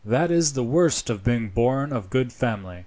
"That is the worst of being born of good family.